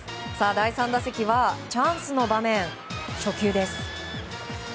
第３打席はチャンスの場面、初球です。